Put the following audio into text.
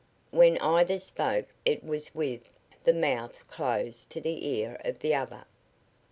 When either spoke it was with the mouth close to the ear of the other.